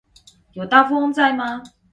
有大富翁在嗎